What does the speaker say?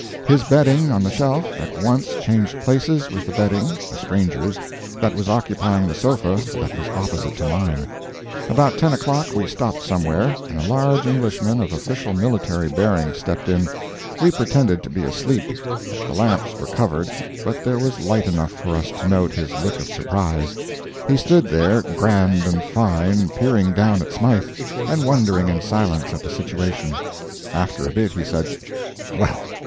His bedding, on the shelf, at once changed places with the bedding a stranger's that was occupying the sofa that was opposite to mine. About ten o'clock we stopped somewhere, and a large Englishman of official military bearing stepped in. We pretended to be asleep. The lamps were covered, but there was light enough for us to note his look of surprise. He stood there, grand and fine, peering down at Smythe, and wondering in silence at the situation. After a bit he said: "Well!"